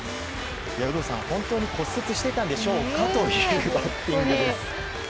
有働さん、本当に骨折していたんでしょうかというバッティングです。